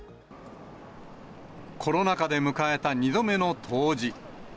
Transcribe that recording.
コロナ禍で迎えた２度目の冬至。